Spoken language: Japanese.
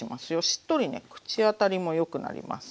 しっとりね口当たりもよくなります。